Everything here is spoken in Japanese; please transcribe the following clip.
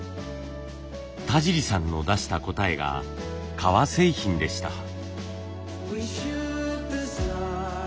田尻さんの出した答えが革製品でした。